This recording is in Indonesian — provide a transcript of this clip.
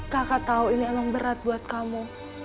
kakak tahu ini emang berat buat kamu